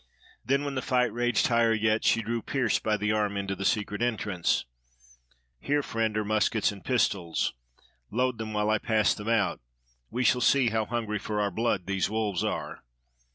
Then when the fight raged higher yet, she drew Pearse by the arm into the secret entrance. "Here, friend, are muskets and pistols. Load them while I pass them out. We shall see how hungry for our blood these wolves are."